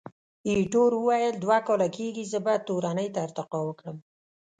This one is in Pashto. ایټور وویل، دوه کاله کېږي، زه به تورنۍ ته ارتقا وکړم.